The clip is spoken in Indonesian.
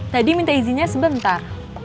tadi minta izinnya sebentar